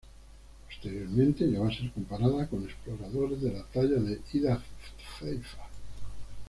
Posteriormente llegó a ser comparada con exploradores de la talla de Ida Pfeiffer.